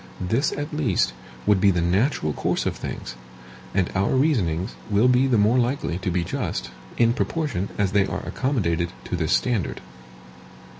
This, at least, would be the natural course of things; and our reasonings will be the more likely to be just, in proportion as they are accommodated to this standard.